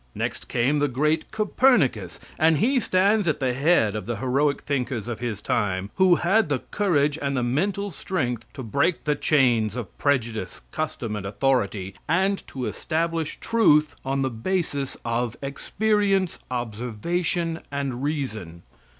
Next came the great Copernicus, and he stands at the head of the heroic thinkers of his time, who had the courage and the mental strength to break the chains of prejudice, custom and authority, and to establish truth on the basis of experience, observation and reason.